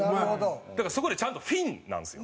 だからそこでちゃんと「ＦＩＮ」なんですよ。